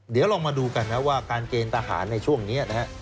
เดี๋ยวลองมาดูกันนะว่าการเกณฑ์ทหารในช่วงนี้นะฮะ